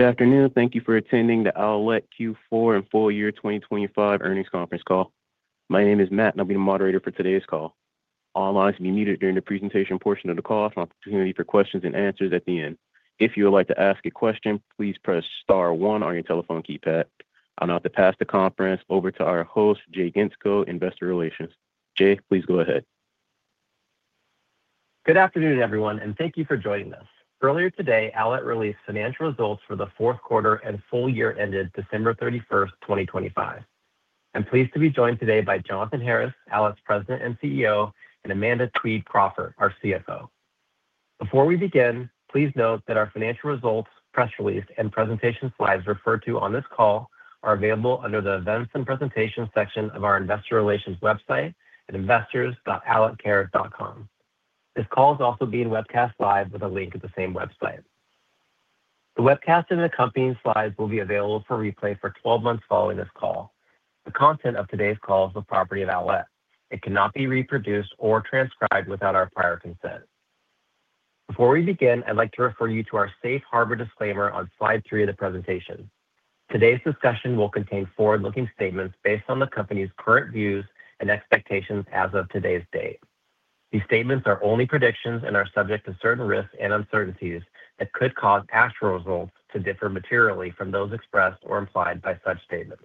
Good afternoon. Thank you for attending the Owlet Q4 and full year 2025 earnings conference call. My name is Matt, and I'll be the moderator for today's call. All lines will be muted during the presentation portion of the call. There's an opportunity for questions and answers at the end. If you would like to ask a question, please press star one on your telephone keypad. I'll now pass the conference over to our host, Jay Gentzkow, Investor Relations. Jay, please go ahead. Good afternoon, everyone. Thank you for joining us. Earlier today, Owlet released financial results for the fourth quarter and full year ended December 31st, 2025. I'm pleased to be joined today by Jonathan Harris, Owlet's President and CEO, and Amanda Twede Crawford, our CFO. Before we begin, please note that our financial results, press release, and presentation slides referred to on this call are available under the Events and Presentations section of our investor relations website at investors.owletcare.com. This call is also being webcast live with a link at the same website. The webcast and accompanying slides will be available for replay for 12 months following this call. The content of today's call is the property of Owlet. It cannot be reproduced or transcribed without our prior consent. Before we begin, I'd like to refer you to our Safe Harbor disclaimer on slide three of the presentation. Today's discussion will contain forward-looking statements based on the company's current views and expectations as of today's date. These statements are only predictions and are subject to certain risks and uncertainties that could cause actual results to differ materially from those expressed or implied by such statements.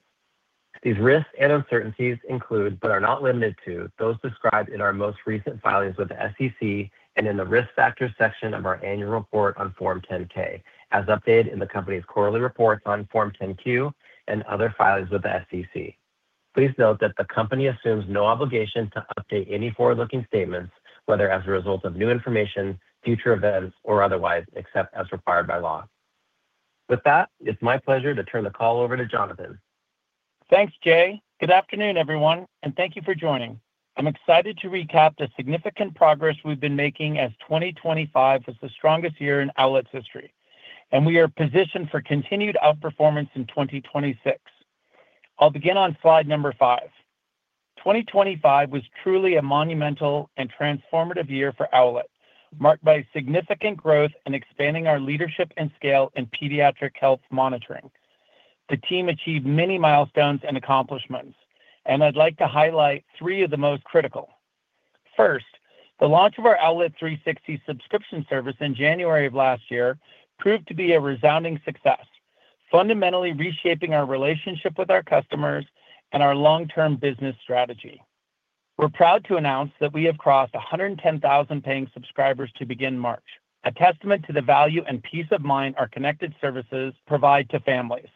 These risks and uncertainties include, but are not limited to, those described in our most recent filings with the SEC and in the Risk Factors section of our annual report on Form 10-K, as updated in the company's quarterly reports on Form 10-Q and other filings with the SEC. Please note that the company assumes no obligation to update any forward-looking statements, whether as a result of new information, future events, or otherwise, except as required by law. With that, it's my pleasure to turn the call over to Jonathan. Thanks, Jay. Good afternoon, everyone, and thank you for joining. I'm excited to recap the significant progress we've been making as 2025 was the strongest year in Owlet's history, we are positioned for continued outperformance in 2026. I'll begin on slide number five, 2025 was truly a monumental and transformative year for Owlet, marked by significant growth and expanding our leadership and scale in pediatric health monitoring. The team achieved many milestones and accomplishments, I'd like to highlight three of the most critical. First, the launch of our Owlet360 subscription service in January of last year proved to be a resounding success, fundamentally reshaping our relationship with our customers and our long-term business strategy. We're proud to announce that we have crossed 110,000 paying subscribers to begin March, a testament to the value and peace of mind our connected services provide to families.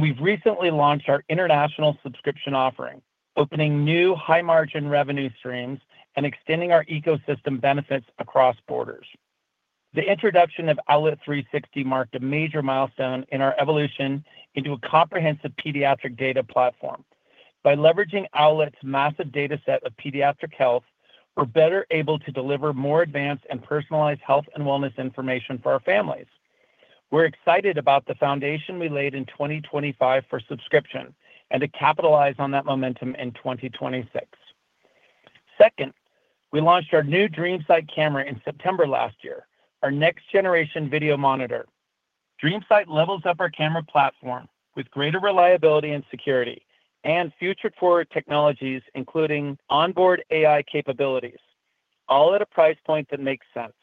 We've recently launched our international subscription offering, opening new high-margin revenue streams and extending our ecosystem benefits across borders. The introduction of Owlet360 marked a major milestone in our evolution into a comprehensive pediatric data platform. By leveraging Owlet's massive data set of pediatric health, we're better able to deliver more advanced and personalized health and wellness information for our families. We're excited about the foundation we laid in 2025 for subscription and to capitalize on that momentum in 2026. Second, we launched our new Dream Sight camera in September last year, our next generation video monitor. Dream Sight levels up our camera platform with greater reliability and security and future forward technologies, including onboard AI capabilities, all at a price point that makes sense.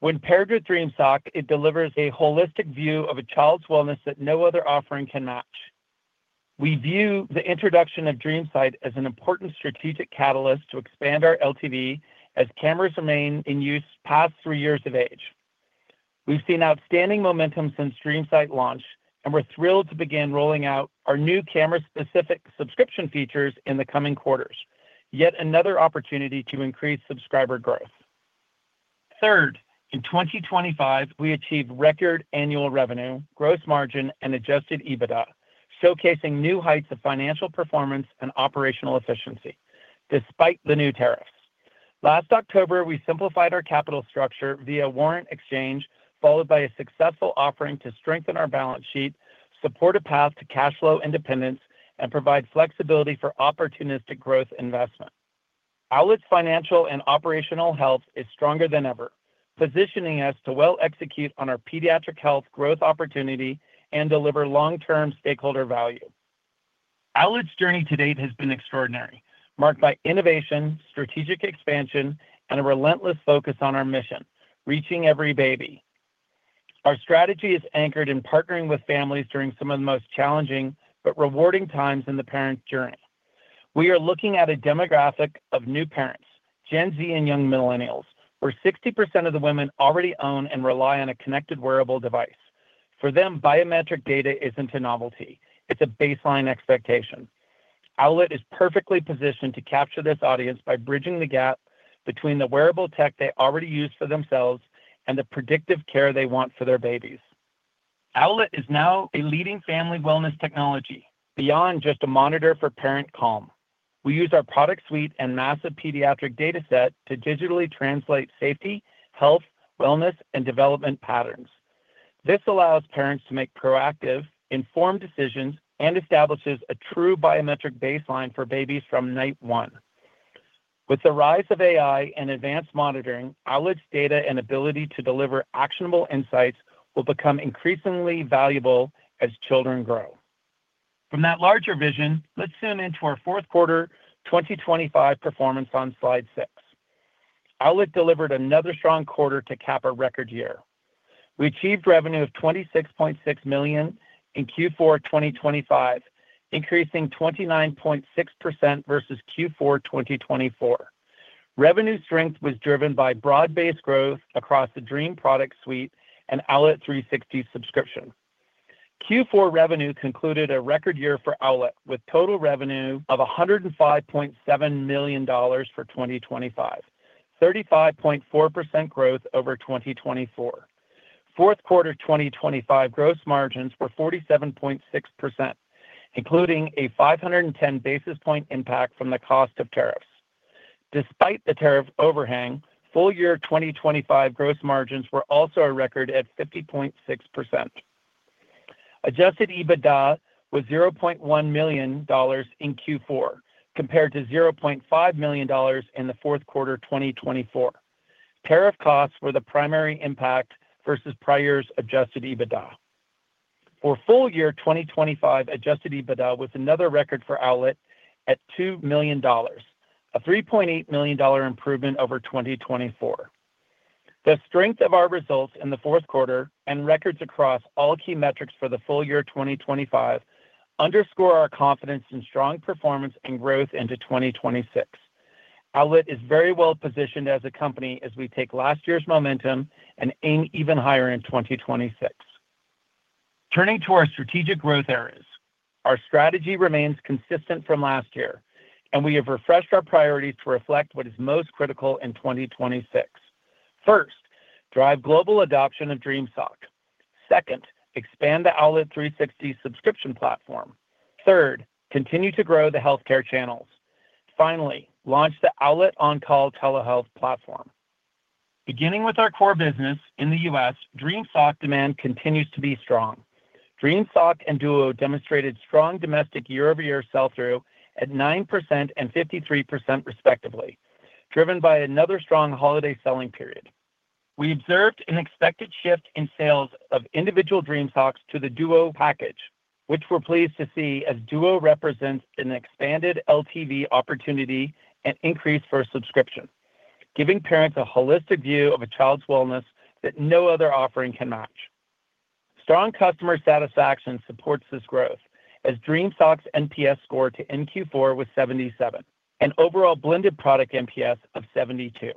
When paired with Dream Sock, it delivers a holistic view of a child's wellness that no other offering can match. We view the introduction of Dream Sight as an important strategic catalyst to expand our LTV as cameras remain in use past three years of age. We've seen outstanding momentum since Dream Sight launch, and we're thrilled to begin rolling out our new camera-specific subscription features in the coming quarters. Yet another opportunity to increase subscriber growth. Third, in 2025, we achieved record annual revenue, gross margin, and Adjusted EBITDA, showcasing new heights of financial performance and operational efficiency despite the new tariffs. Last October, we simplified our capital structure via warrant exchange, followed by a successful offering to strengthen our balance sheet, support a path to cash flow independence, and provide flexibility for opportunistic growth investment. Owlet's financial and operational health is stronger than ever, positioning us to well execute on our pediatric health growth opportunity and deliver long-term stakeholder value. Owlet's journey to date has been extraordinary, marked by innovation, strategic expansion, and a relentless focus on our mission: reaching every baby. Our strategy is anchored in partnering with families during some of the most challenging but rewarding times in the parent journey. We are looking at a demographic of new parents, Gen Z, and young millennials, where 60% of the women already own and rely on a connected wearable device. For them, biometric data isn't a novelty, it's a baseline expectation. Owlet is perfectly positioned to capture this audience by bridging the gap between the wearable tech they already use for themselves and the predictive care they want for their babies. Owlet is now a leading family wellness technology beyond just a monitor for parent calm. We use our product suite and massive pediatric data set to digitally translate safety, health, wellness, and development patterns. This allows parents to make proactive, informed decisions and establishes a true biometric baseline for babies from night one. With the rise of AI and advanced monitoring, Owlet's data and ability to deliver actionable insights will become increasingly valuable as children grow. From that larger vision, let's zoom into our fourth quarter 2025 performance on slide six. Owlet delivered another strong quarter to cap a record year. We achieved revenue of $26.6 million in Q4 2025, increasing 29.6% versus Q4 2024. Revenue strength was driven by broad-based growth across the Dream product suite and Owlet360 subscription. Q4 revenue concluded a record year for Owlet, with total revenue of $105.7 million for 2025, 35.4% growth over 2024. Fourth quarter 2025 gross margins were 47.6%, including a 510 basis point impact from the cost of tariffs. Despite the tariff overhang, full year 2025 gross margins were also a record at 50.6%. Adjusted EBITDA was $0.1 million in Q4, compared to $0.5 million in the fourth quarter 2024. Tariff costs were the primary impact versus prior's Adjusted EBITDA. For full year 2025, Adjusted EBITDA was another record for Owlet at $2 million, a $3.8 million improvement over 2024. The strength of our results in the fourth quarter and records across all key metrics for the full year 2025 underscore our confidence in strong performance and growth into 2026. Owlet is very well positioned as a company as we take last year's momentum and aim even higher in 2026. Turning to our strategic growth areas. Our strategy remains consistent from last year. We have refreshed our priorities to reflect what is most critical in 2026. First, drive global adoption of Dream Sock. Second, expand the Owlet360 subscription platform. Third, continue to grow the healthcare channels. Finally, launch the Owlet telehealth platform. Beginning with our core business in the U.S., Dream Sock demand continues to be strong. Dream Sock and Duo demonstrated strong domestic year-over-year sell-through at 9% and 53% respectively, driven by another strong holiday selling period. We observed an expected shift in sales of individual Dream Socks to the Duo package, which we're pleased to see as Duo represents an expanded LTV opportunity and increase for a subscription, giving parents a holistic view of a child's wellness that no other offering can match. Strong customer satisfaction supports this growth as Dream Sock's NPS score to Q4 was 77, an overall blended product NPS of 72.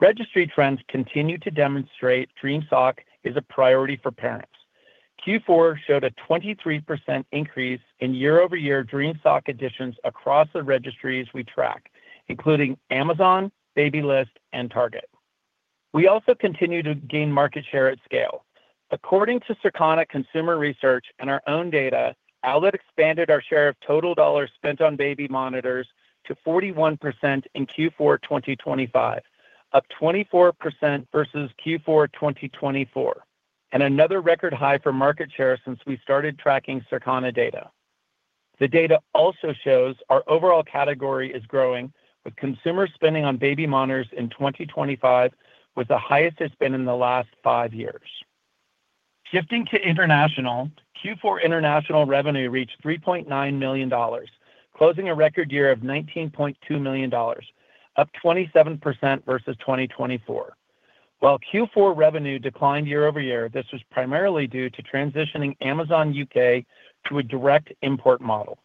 Registry trends continue to demonstrate Dream Sock is a priority for parents. Q4 showed a 23% increase in year-over-year Dream Sock additions across the registries we track, including Amazon, Babylist, and Target. We also continue to gain market share at scale. According to Circana and our own data, Owlet expanded our share of total dollars spent on baby monitors to 41% in Q4 2025, up 24% versus Q4 2024, and another record high for market share since we started tracking Circana data. The data also shows our overall category is growing, with consumer spending on baby monitors in 2025 was the highest it's been in the last five years. Shifting to international, Q4 international revenue reached $3.9 million, closing a record year of $19.2 million, up 27% versus 2024. While Q4 revenue declined year-over-year, this was primarily due to transitioning Amazon UK to a direct import model.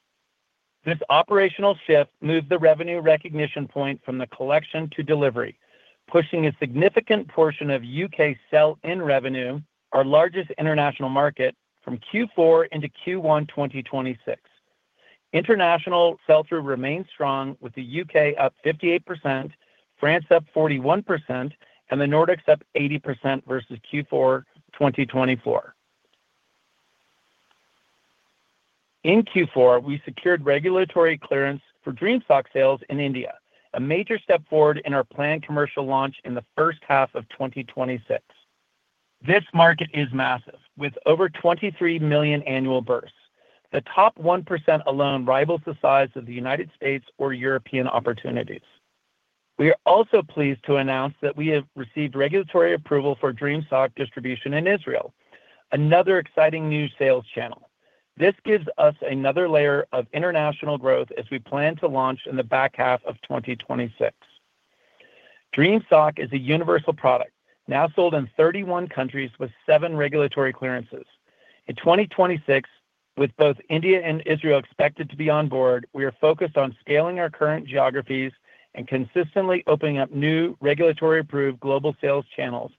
This operational shift moved the revenue recognition point from the collection to delivery, pushing a significant portion of U.K. sell-in revenue, our largest international market, from Q4 into Q1 2026. International sell-through remains strong, with the U.K. up 58%, France up 41%, and the Nordics up 80% versus Q4 2024. In Q4, we secured regulatory clearance for Dream Sock sales in India, a major step forward in our planned commercial launch in the first half of 2026. This market is massive, with over 23 million annual births. The top 1% alone rivals the size of the U.S. or European opportunities. We are also pleased to announce that we have received regulatory approval for Dream Sock distribution in Israel, another exciting new sales channel. This gives us another layer of international growth as we plan to launch in the back half of 2026. Dream Sock is a universal product, now sold in 31 countries with seven regulatory clearances. In 2026, with both India and Israel expected to be on board, we are focused on scaling our current geographies and consistently opening up new regulatory-approved global sales channels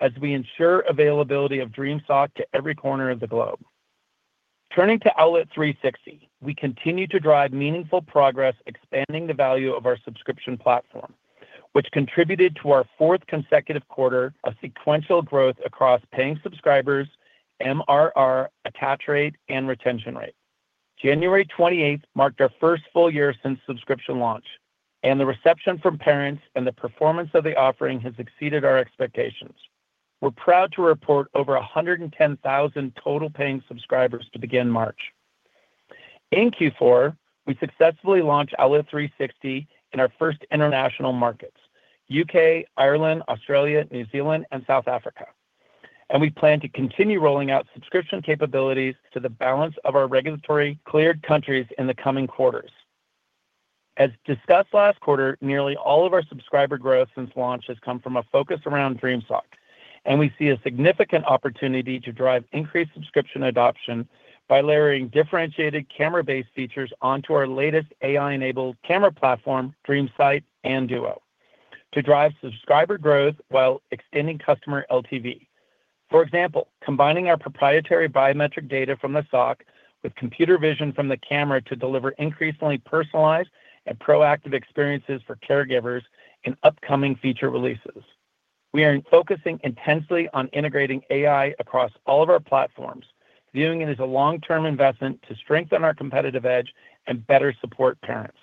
as we ensure availability of Dream Sock to every corner of the globe. Turning to Owlet360, we continue to drive meaningful progress expanding the value of our subscription platform, which contributed to our fourth consecutive quarter of sequential growth across paying subscribers, MRR, attach rate, and retention rate. January 28th marked our first full year since subscription launch, and the reception from parents and the performance of the offering has exceeded our expectations. We're proud to report over 110,000 total paying subscribers to begin March. In Q4, we successfully launched Owlet360 in our first international markets, U.K., Ireland, Australia, New Zealand, and South Africa. We plan to continue rolling out subscription capabilities to the balance of our regulatory cleared countries in the coming quarters. As discussed last quarter, nearly all of our subscriber growth since launch has come from a focus around Dream Sock, and we see a significant opportunity to drive increased subscription adoption by layering differentiated camera-based features onto our latest AI-enabled camera platform, Dream Sight and Dream Duo, to drive subscriber growth while extending customer LTV. For example, combining our proprietary biometric data from the sock with computer vision from the camera to deliver increasingly personalized and proactive experiences for caregivers in upcoming feature releases. We are focusing intensely on integrating AI across all of our platforms, viewing it as a long-term investment to strengthen our competitive edge and better support parents.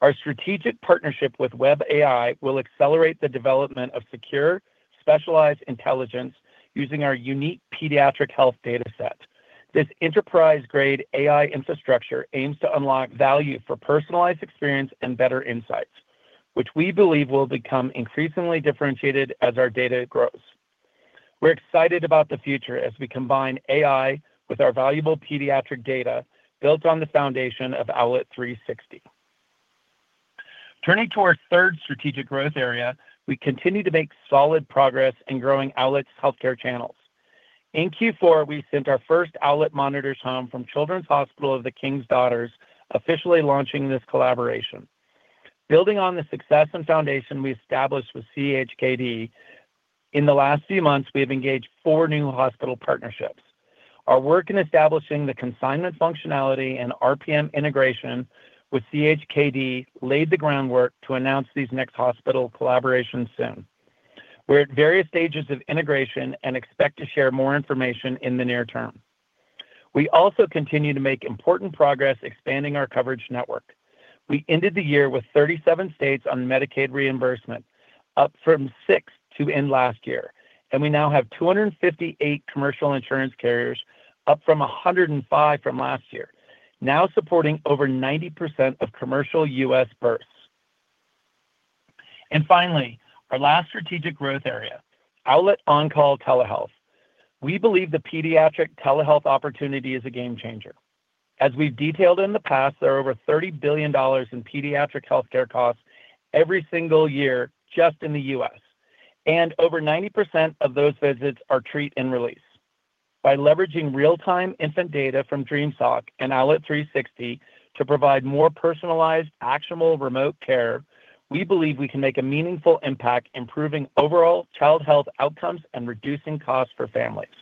Our strategic partnership with webAI will accelerate the development of secure, specialized intelligence using our unique pediatric health data set. This enterprise-grade AI infrastructure aims to unlock value for personalized experience and better insights, which we believe will become increasingly differentiated as our data grows. We're excited about the future as we combine AI with our valuable pediatric data built on the foundation of Owlet360. Turning to our third strategic growth area, we continue to make solid progress in growing Owlet's healthcare channels. In Q4, we sent our first Owlet monitors home from Children's Hospital of the King's Daughters, officially launching this collaboration. Building on the success and foundation we established with CHKD, in the last few months, we have engaged four new hospital partnerships. Our work in establishing the consignment functionality and RPM integration with CHKD laid the groundwork to announce these next hospital collaborations soon. We're at various stages of integration and expect to share more information in the near term. We also continue to make important progress expanding our coverage network. We ended the year with 37 states on Medicaid reimbursement, up from six to end last year. We now have 258 commercial insurance carriers, up from 105 from last year, now supporting over 90% of commercial U.S. births. Finally, our last strategic growth area, Owlet OnCall Telehealth. We believe the pediatric telehealth opportunity is a game changer. As we've detailed in the past, there are over $30 billion in pediatric healthcare costs every single year just in the U.S., and over 90% of those visits are treat and release. By leveraging real-time infant data from Dream Sock and Owlet360 to provide more personalized, actionable remote care, we believe we can make a meaningful impact improving overall child health outcomes and reducing costs for families.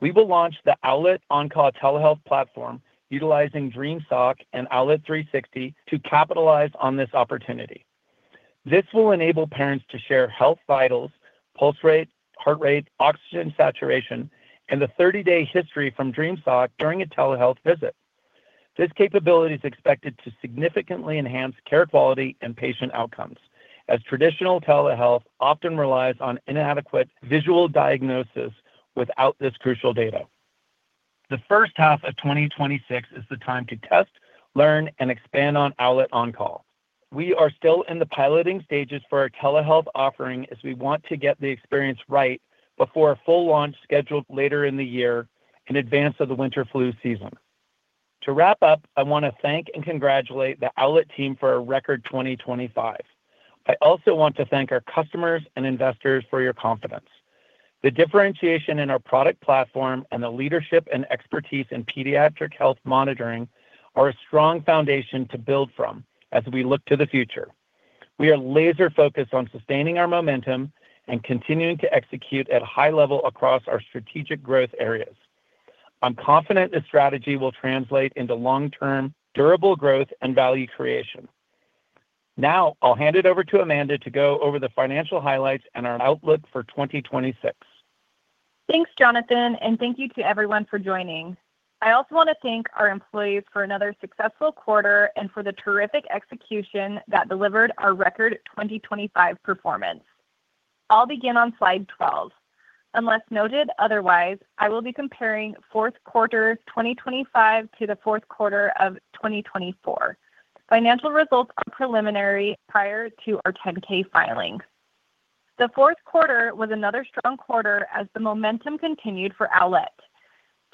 We will launch the Owlet OnCall Telehealth platform utilizing Dream Sock and Owlet360 to capitalize on this opportunity. This will enable parents to share health vitals, pulse rate, heart rate, oxygen saturation, and the 30-day history from Dream Sock during a telehealth visit. This capability is expected to significantly enhance care quality and patient outcomes, as traditional telehealth often relies on inadequate visual diagnosis without this crucial data. The first half of 2026 is the time to test, learn, and expand on Owlet OnCall. We are still in the piloting stages for our telehealth offering as we want to get the experience right before a full launch scheduled later in the year in advance of the winter flu season. To wrap up, I want to thank and congratulate the Owlet team for a record 2025. I also want to thank our customers and investors for your confidence. The differentiation in our product platform and the leadership and expertise in pediatric health monitoring are a strong foundation to build from as we look to the future. We are laser-focused on sustaining our momentum and continuing to execute at a high level across our strategic growth areas. I'm confident this strategy will translate into long-term, durable growth and value creation. Now, I'll hand it over to Amanda to go over the financial highlights and our outlook for 2026. Thanks, Jonathan, thank you to everyone for joining. I also want to thank our employees for another successful quarter and for the terrific execution that delivered our record 2025 performance. I'll begin on slide 12. Unless noted otherwise, I will be comparing fourth quarter 2025 to the fourth quarter of 2024. Financial results are preliminary prior to our 10-K filing. The fourth quarter was another strong quarter as the momentum continued for Owlet.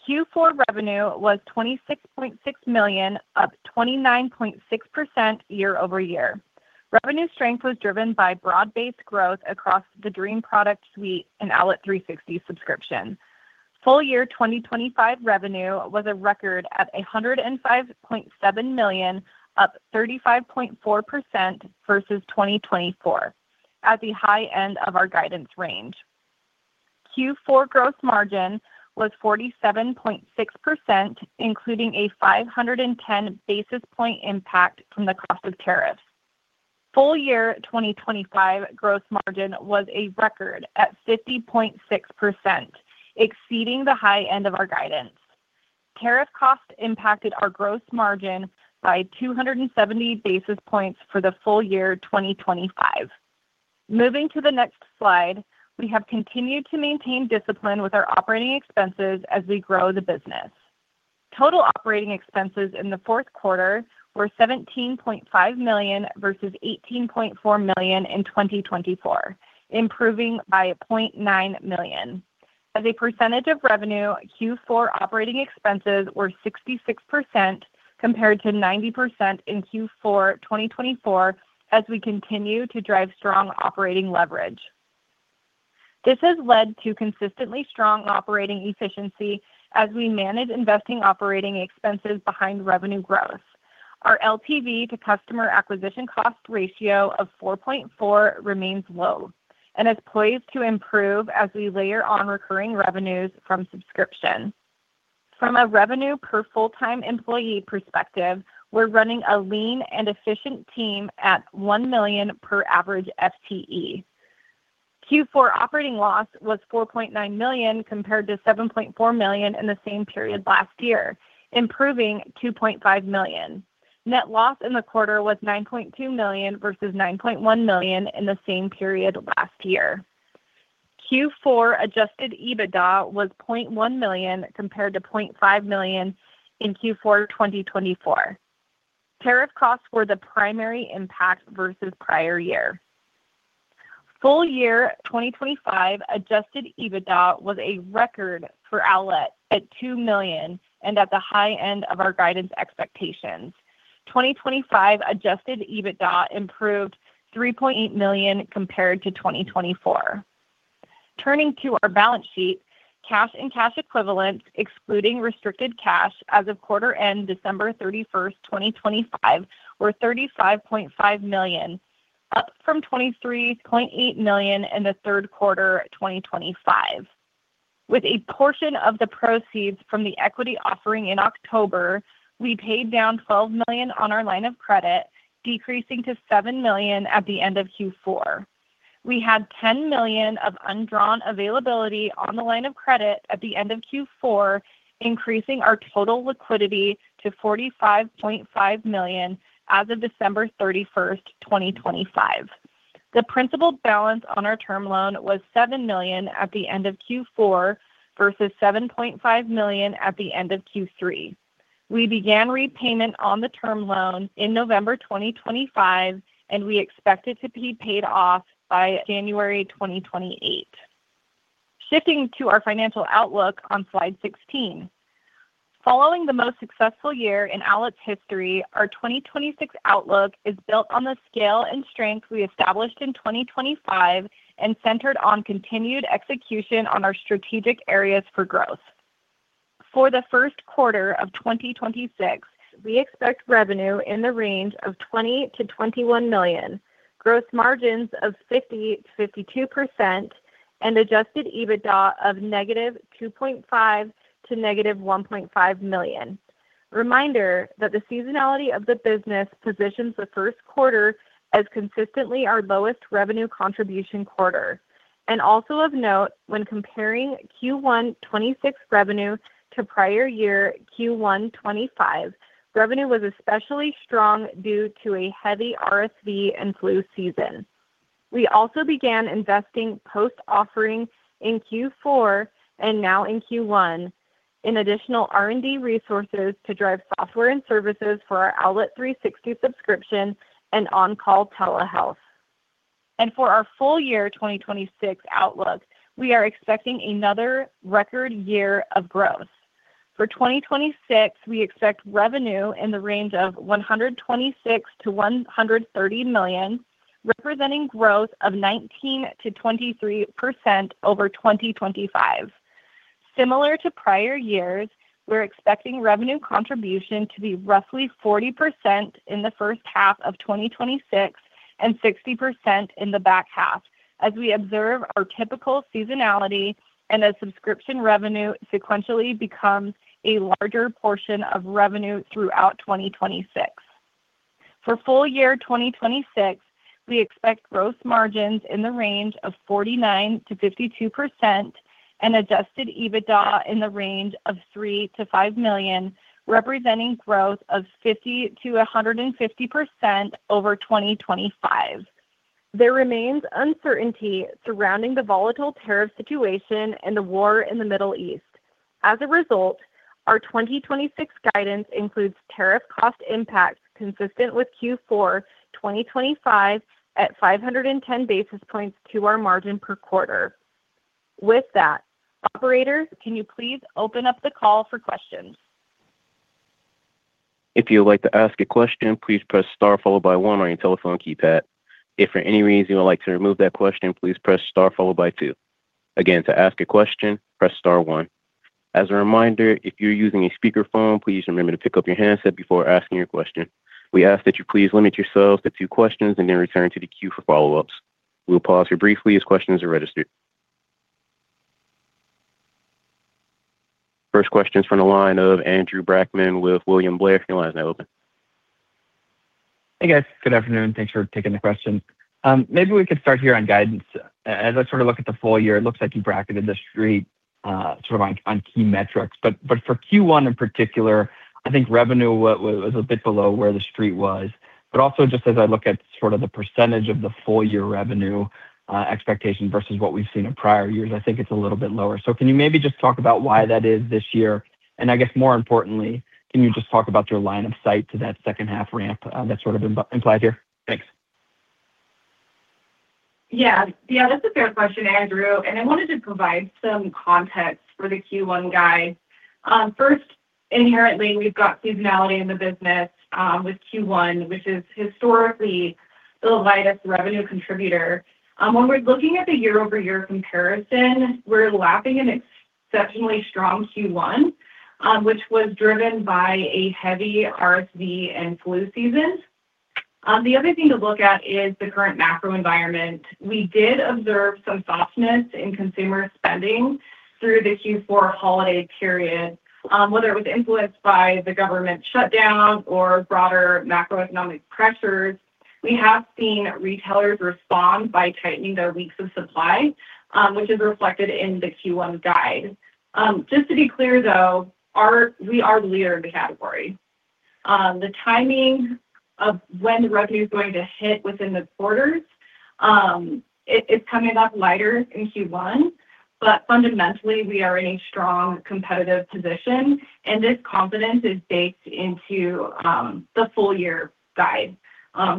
Q4 revenue was $26.6 million, up 29.6% year-over-year. Revenue strength was driven by broad-based growth across the Dream product suite and Owlet360 subscription. Full year 2025 revenue was a record at $105.7 million, up 35.4% versus 2024 at the high end of our guidance range. Q4 gross margin was 47.6%, including a 510 basis point impact from the cost of tariffs. Full year 2025 gross margin was a record at 50.6%, exceeding the high end of our guidance. Tariff cost impacted our gross margin by 270 basis points for the full year 2025. Moving to the next slide, we have continued to maintain discipline with our operating expenses as we grow the business. Total operating expenses in the fourth quarter were $17.5 million versus $18.4 million in 2024, improving by $0.9 million. As a percentage of revenue, Q4 operating expenses were 66% compared to 90% in Q4 2024 as we continue to drive strong operating leverage. This has led to consistently strong operating efficiency as we manage investing operating expenses behind revenue growth. Our LTV to Customer Acquisition Cost ratio of 4.4 remains low and is poised to improve as we layer on recurring revenues from subscription. From a revenue per full-time employee perspective, we're running a lean and efficient team at $1 million per average FTE. Q4 operating loss was $4.9 million compared to $7.4 million in the same period last year, improving $2.5 million. Net loss in the quarter was $9.2 million versus $9.1 million in the same period last year. Q4 Adjusted EBITDA was $0.1 million compared to $0.5 million in Q4 2024. Tariff costs were the primary impact versus prior year. Full year 2025 Adjusted EBITDA was a record for Owlet at $2 million and at the high end of our guidance expectations. 2025 Adjusted EBITDA improved $3.8 million compared to 2024. Turning to our balance sheet, cash and cash equivalents, excluding restricted cash as of quarter end December 31st, 2025, were $35.5 million, up from $23.8 million in the third quarter 2025. With a portion of the proceeds from the equity offering in October, we paid down $12 million on our line of credit, decreasing to $7 million at the end of Q4. We had $10 million of undrawn availability on the line of credit at the end of Q4, increasing our total liquidity to $45.5 million as of December 31st, 2025. The principal balance on our term loan was $7 million at the end of Q4 versus $7.5 million at the end of Q3. We began repayment on the term loan in November 2025. We expect it to be paid off by January 2028. Shifting to our financial outlook on slide 16. Following the most successful year in Owlet's history, our 2026 outlook is built on the scale and strength we established in 2025 and centered on continued execution on our strategic areas for growth. For the first quarter of 2026, we expect revenue in the range of $20 million-$21 million, gross margins of 50%-52%, and Adjusted EBITDA of -$2.5 million--$1.5 million. Reminder that the seasonality of the business positions the first quarter as consistently our lowest revenue contribution quarter. Also of note, when comparing Q1 26 revenue to prior year Q1 25, revenue was especially strong due to a heavy RSV and flu season. We also began investing post-offering in Q4 and now in Q1 in additional R&D resources to drive software and services for our Owlet360 subscription and on-call telehealth. For our full year 2026 outlook, we are expecting another record year of growth. For 2026, we expect revenue in the range of $126 million-$130 million, representing growth of 19%-23% over 2025. Similar to prior years, we're expecting revenue contribution to be roughly 40% in the first half of 2026 and 60% in the back half as we observe our typical seasonality and as subscription revenue sequentially becomes a larger portion of revenue throughout 2026. For full year 2026, we expect gross margins in the range of 49%-52% and Adjusted EBITDA in the range of $3 million-$5 million, representing growth of 50%-150% over 2025. There remains uncertainty surrounding the volatile tariff situation and the war in the Middle East. As a result, our 2026 guidance includes tariff cost impacts consistent with Q4 2025 at 510 basis points to our margin per quarter. With that, operator, can you please open up the call for questions? If you would like to ask a question, please press star followed by one on your telephone keypad. If for any reason you would like to remove that question, please press star followed by two. Again, to ask a question, press star one. As a reminder, if you're using a speakerphone, please remember to pick up your handset before asking your question. We ask that you please limit yourselves to two questions and then return to the queue for follow-ups. We'll pause here briefly as questions are registered. First question is from the line of Andrew Brackmann with William Blair. Your line is now open. Hey, guys. Good afternoon. Thanks for taking the question. Maybe we could start here on guidance. As I sort of look at the full year, it looks like you bracketed the street sort of on key metrics. For Q1 in particular, I think revenue was a bit below where the street was. Also just as I look at sort of the percentage of the full year revenue expectation versus what we've seen in prior years, I think it's a little bit lower. Can you maybe just talk about why that is this year? I guess more importantly, can you just talk about your line of sight to that second half ramp that's sort of implied here? Thanks. Yeah. Yeah, that's a fair question, Andrew. I wanted to provide some context for the Q1 guide. First, inherently, we've got seasonality in the business with Q1, which is historically the lightest revenue contributor. When we're looking at the year-over-year comparison, we're lapping an exceptionally strong Q1, which was driven by a heavy RSV and flu season. The other thing to look at is the current macro environment. We did observe some softness in consumer spending through the Q4 holiday period. Whether it was influenced by the government shutdown or broader macroeconomic pressures, we have seen retailers respond by tightening their weeks of supply, which is reflected in the Q1 guide. Just to be clear, though, we are the leader of the category. The timing of when the revenue is going to hit within the quarters, it is coming up lighter in Q1, but fundamentally, we are in a strong competitive position, and this confidence is baked into the full year guide,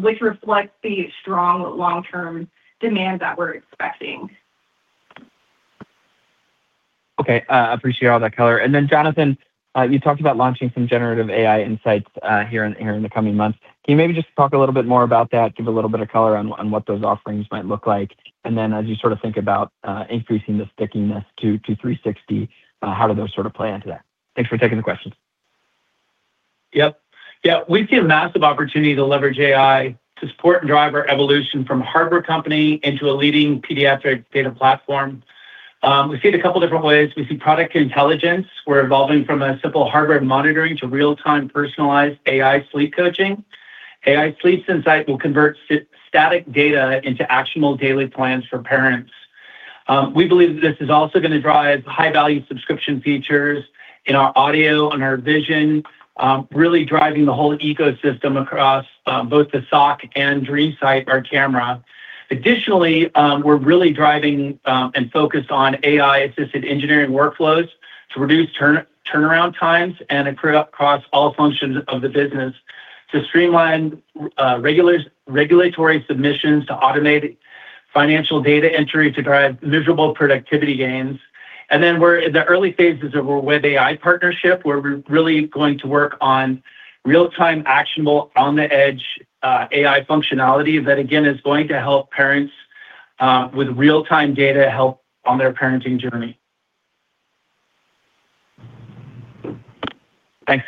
which reflects the strong long-term demand that we're expecting. Okay. Appreciate all that color. Jonathan, you talked about launching some generative AI insights here in the coming months. Can you maybe just talk a little bit more about that, give a little bit of color on what those offerings might look like? As you sort of think about increasing the stickiness to 360, how do those sort of play into that? Thanks for taking the questions. Yep. Yeah. We see a massive opportunity to leverage AI to support and drive our evolution from hardware company into a leading pediatric data platform. We see it a couple different ways. We see product intelligence. We're evolving from a simple hardware monitoring to real-time personalized AI sleep coaching. AI sleep insight will convert static data into actionable daily plans for parents. We believe that this is also gonna drive high-value subscription features in our audio and our vision, really driving the whole ecosystem across both the sock and Dream Sight, our camera. Additionally, we're really driving and focused on AI-assisted engineering workflows to reduce turnaround times and across all functions of the business to streamline regulatory submissions, to automate financial data entry to drive visible productivity gains. We're in the early phases of our webAI partnership, where we're really going to work on real-time, actionable, on-the-edge, AI functionality that again is going to help parents with real-time data help on their parenting journey. Thanks.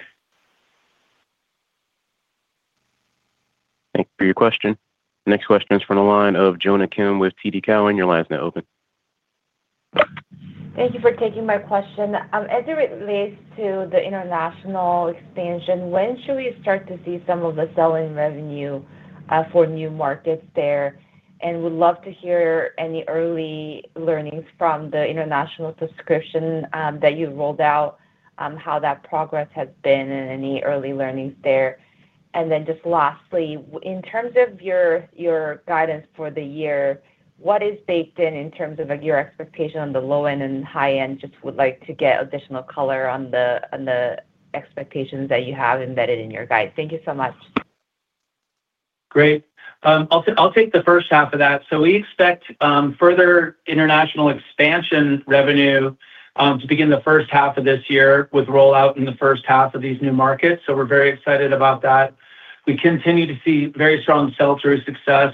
Thank you for your question. The next question is from the line of Jonna Kim with TD Cowen. Your line is now open. Thank you for taking my question. As it relates to the international expansion, when should we start to see some of the selling revenue for new markets there? Would love to hear any early learnings from the international subscription that you've rolled out, on how that progress has been and any early learnings there. Just lastly, in terms of your guidance for the year, what is baked in in terms of, like, your expectation on the low end and high end? Just would like to get additional color on the expectations that you have embedded in your guide. Thank you so much. Great. I'll take the first half of that. We expect further international expansion revenue to begin the first half of this year with rollout in the first half of these new markets. We're very excited about that. We continue to see very strong sell-through success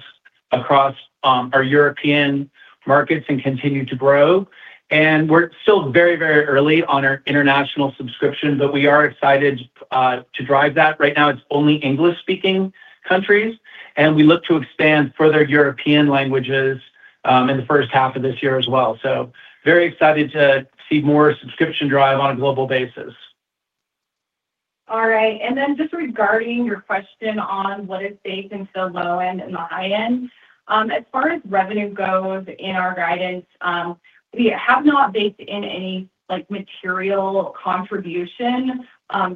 across our European markets and continue to grow. We're still very, very early on our international subscription, but we are excited to drive that. Right now, it's only English-speaking countries, and we look to expand further European languages in the first half of this year as well. Very excited to see more subscription drive on a global basis. All right. Just regarding your question on what is baked into the low end and the high end. As far as revenue goes in our guidance, we have not baked in any, like, material contribution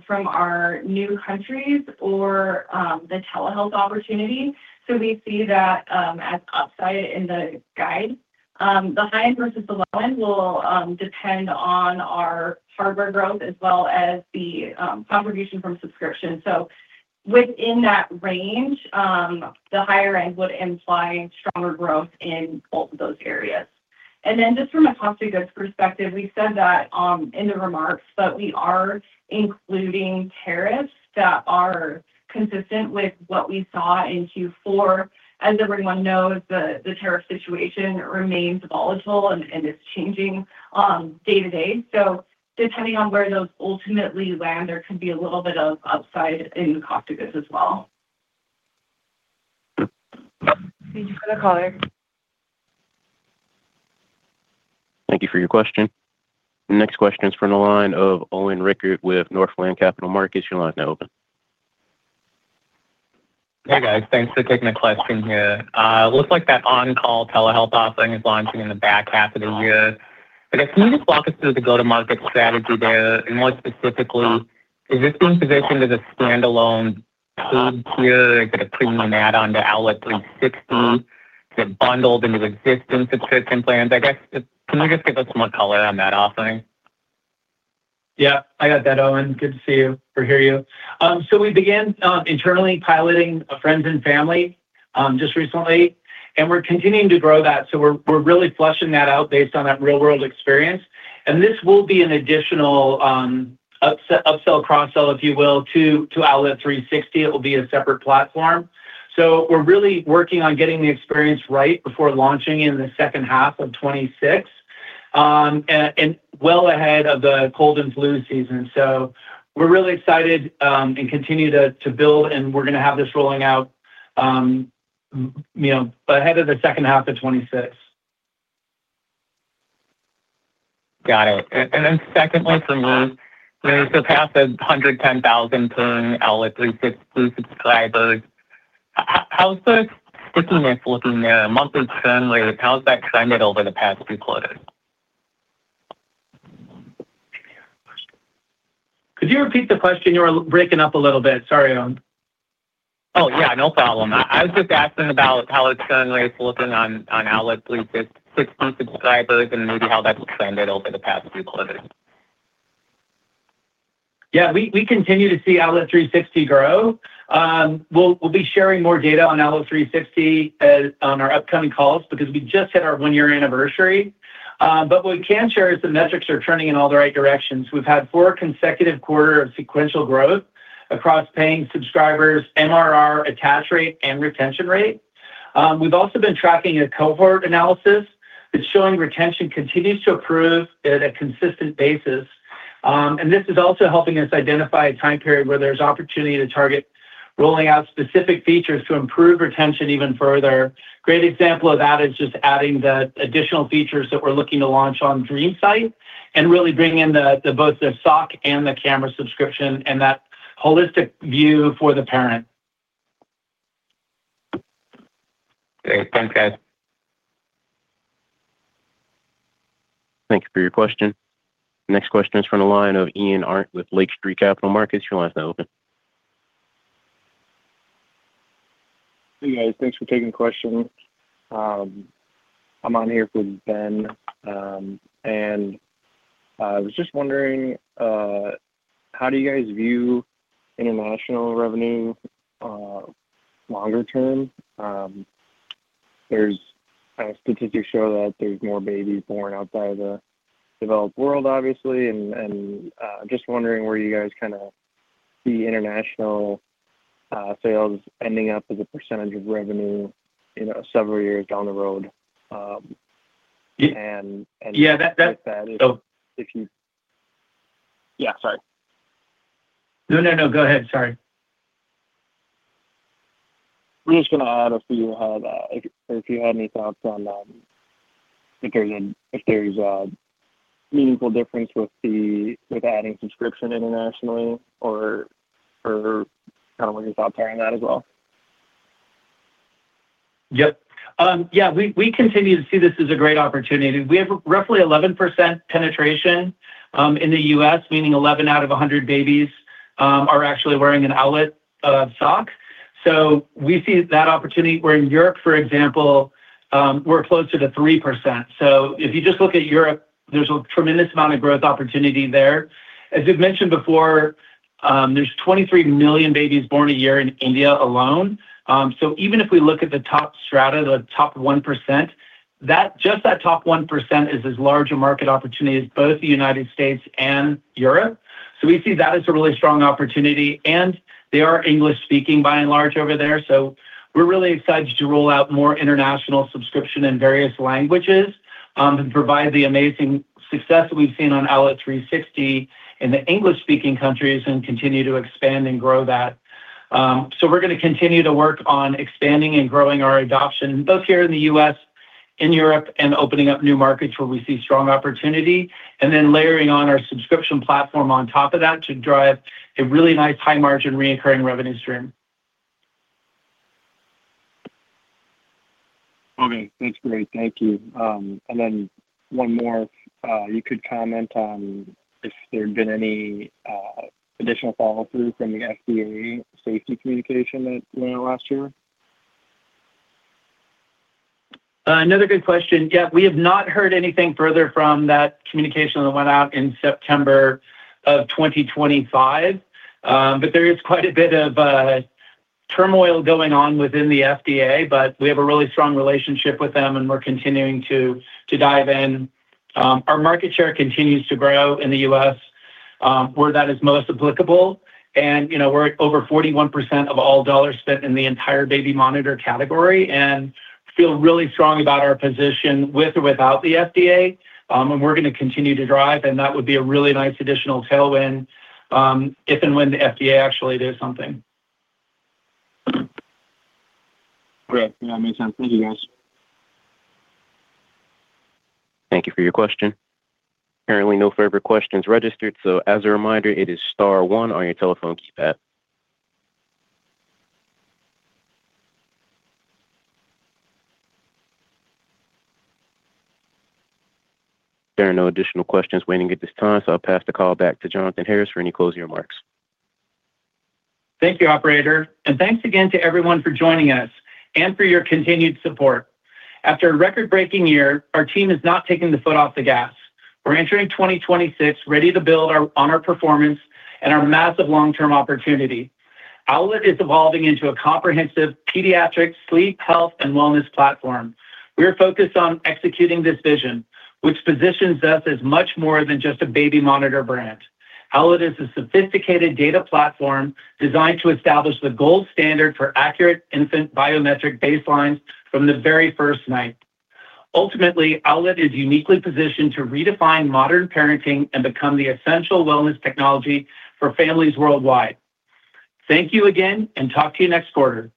from our new countries or the telehealth opportunity, so we see that as upside in the guide. The high end versus the low end will depend on our hardware growth as well as the contribution from subscription. Within that range, the higher end would imply stronger growth in both of those areas. Just from a cost of goods perspective, we said that in the remarks, but we are including tariffs that are consistent with what we saw in Q4. As everyone knows, the tariff situation remains volatile and it's changing day to day. Depending on where those ultimately land, there could be a little bit of upside in cost of goods as well. Thank you for the color. Thank you for your question. The next question is from the line of Owen Rickert with Northland Capital Markets. Your line is now open. Hey guys, thanks for taking the question here. Looks like that on-call telehealth offering is launching in the back half of the year. I guess can you just walk us through the go-to-market strategy there? More specifically, is this being positioned as a standalone code tier, like a premium add-on to Owlet360 get bundled into the existing subscription plans? I guess, can you just give us some more color on that offering? Yeah, I got that, Owen. Good to see you or hear you. We began internally piloting a friends and family just recently, and we're continuing to grow that. We're really fleshing that out based on that real-world experience. This will be an additional upsell, cross-sell, if you will, to Owlet360. It will be a separate platform. We're really working on getting the experience right before launching in the second half of 2026, and well ahead of the cold and flu season. We're really excited and continue to build, and we're gonna have this rolling out, you know, ahead of the second half of 2026. Got it. Then secondly for me, you still passed the 110,000 Owlet360 subscribers. How is the stickiness looking there monthly churn rate? How has that trended over the past few quarters? Could you repeat the question? You're breaking up a little bit. Sorry, Owen. Oh, yeah, no problem. I was just asking about how the churn rate is looking on Owlet360 subscribers and maybe how that's trended over the past few quarters. Yeah, we continue to see Owlet360 grow. We'll be sharing more data on Owlet360 on our upcoming calls because we just hit our one-year anniversary. What we can share is the metrics are turning in all the right directions. We've had four consecutive quarter of sequential growth across paying subscribers, MRR, attach rate, and retention rate. We've also been tracking a cohort analysis that's showing retention continues to improve at a consistent basis. This is also helping us identify a time period where there's opportunity to target rolling out specific features to improve retention even further. Great example of that is just adding the additional features that we're looking to launch on Dream Sight and really bring in the both the Sock and the camera subscription and that holistic view for the parent. Thanks, guys. Thank you for your question. Next question is from the line of Ian Arndt with Lake Street Capital Markets. Your line is now open. Hey, guys, thanks for taking the question. I'm on here for Ben. I was just wondering how do you guys view international revenue longer term? There's statistics show that there's more babies born outside the developed world, obviously. Just wondering where you guys kinda see international sales ending up as a % of revenue, you know, several years down the road. Yeah, that. Yeah, sorry. No, no, go ahead. Sorry. I'm just gonna add if you have, like if you have any thoughts on, if there's a meaningful difference with adding subscription internationally or kind of what your thoughts are on that as well. Yep. We continue to see this as a great opportunity. We have roughly 11% penetration in the U.S., meaning 11 out of 100 babies are actually wearing an Owlet sock. We see that opportunity where in Europe, for example, we're closer to 3%. If you just look at Europe, there's a tremendous amount of growth opportunity there. As we've mentioned before, there's 23 million babies born a year in India alone. Even if we look at the top strata, the top 1%, just that top 1% is as large a market opportunity as both the United States and Europe. We see that as a really strong opportunity, and they are English speaking by and large over there. We're really excited to roll out more international subscription in various languages, and provide the amazing success we've seen on Owlet360 in the English-speaking countries and continue to expand and grow that. We're gonna continue to work on expanding and growing our adoption both here in the U.S., in Europe, and opening up new markets where we see strong opportunity. Layering on our subscription platform on top of that to drive a really nice high margin recurring revenue stream. Okay. That's great. Thank you. One more. You could comment on if there had been any additional follow-through from the FDA safety communication that went out last year. Another good question. Yeah, we have not heard anything further from that communication that went out in September of 2025. There is quite a bit of turmoil going on within the FDA, but we have a really strong relationship with them, and we're continuing to dive in. Our market share continues to grow in the U.S., where that is most applicable. You know, we're over 41% of all dollars spent in the entire baby monitor category and feel really strong about our position with or without the FDA. We're gonna continue to drive, and that would be a really nice additional tailwind, if and when the FDA actually does something. Great. Yeah, makes sense. Thank you, guys. Thank you for your question. Apparently, no further questions registered, as a reminder, it is star 1 on your telephone keypad. There are no additional questions waiting at this time, I'll pass the call back to Jonathan Harris for any closing remarks. Thank you, operator, and thanks again to everyone for joining us and for your continued support. After a record-breaking year, our team has not taken the foot off the gas. We're entering 2026 ready to build on our performance and our massive long-term opportunity. Owlet is evolving into a comprehensive pediatric sleep, health, and wellness platform. We're focused on executing this vision, which positions us as much more than just a baby monitor brand. Owlet is a sophisticated data platform designed to establish the gold standard for accurate infant biometric baselines from the very first night. Ultimately, Owlet is uniquely positioned to redefine modern parenting and become the essential wellness technology for families worldwide. Thank you again, and talk to you next quarter.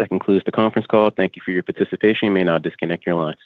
That concludes the conference call. Thank you for your participation. You may now disconnect your line.